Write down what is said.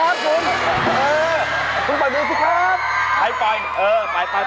พี่นี่ปล่อยมือสิครับ